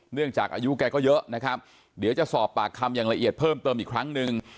จากอายุแกก็เยอะนะครับเดี๋ยวจะสอบปากคำอย่างละเอียดเพิ่มเติมอีกครั้งหนึ่ง